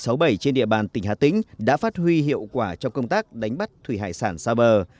nghị định sáu mươi bảy trên địa bàn tỉnh hà tĩnh đã phát huy hiệu quả trong công tác đánh bắt thủy hải sản xa bờ